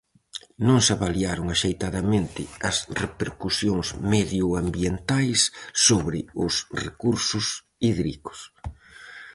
Non se avaliaron axeitadamente as repercusións medioambientais sobre os recursos hídricos.